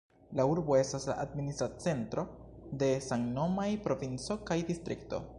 La urbo estas la administra centro de samnomaj provinco kaj distrikto.